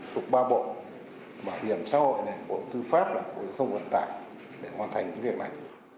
thuộc ba bộ bảo hiểm xã hội bộ tư pháp bộ thông vận tải để hoàn thành việc này